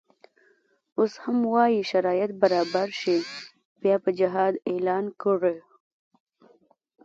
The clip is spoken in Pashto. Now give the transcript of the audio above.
اوس هم وایي شرایط برابر شي بیا به جهاد اعلان کړي.